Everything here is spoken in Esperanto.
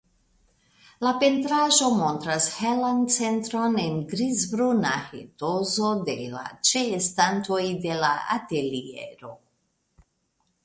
La pentraĵo montras helan centron en grizbruna etoso de la ĉeestantoj de la ateliero.